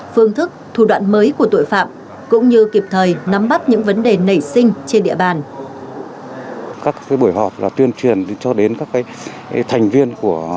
phương thức thủ đoạn mới của tội phạm cũng như kịp thời nắm bắt những vấn đề nảy sinh trên địa bàn